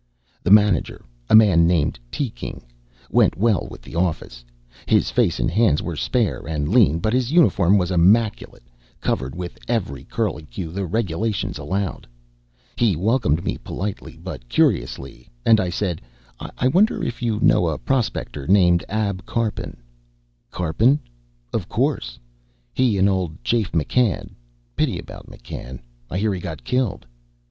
The manager a man named Teaking went well with the office. His face and hands were spare and lean, but his uniform was immaculate, covered with every curlicue the regulations allowed. He welcomed me politely, but curiously, and I said, "I wonder if you know a prospector named Ab Karpin?" "Karpin? Of course. He and old Jafe McCann pity about McCann. I hear he got killed."